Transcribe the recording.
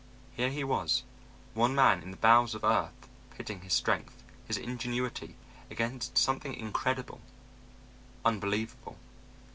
Here he was, one man in the bowels of earth pitting his strength, his ingenuity against something incredible, unbelievable.